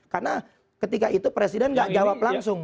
karena ketika itu presiden nggak jawab langsung